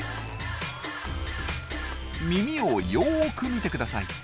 耳をよく見てください。